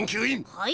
はい？